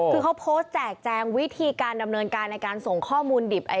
คือเขาโพสต์แจกแจงวิธีการดำเนินการในการส่งข้อมูลดิบ